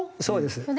そうです。